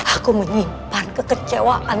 aku menyimpan kekecewaan